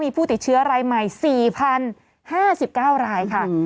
มีผู้ติดเชื้อรายใหม่๔๐๕๙รายค่ะ